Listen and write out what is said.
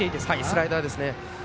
スライダーですね。